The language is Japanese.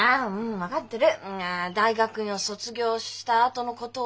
分かってる。